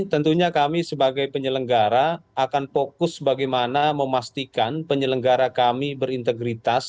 tentunya kami sebagai penyelenggara akan fokus bagaimana memastikan penyelenggara kami berintegritas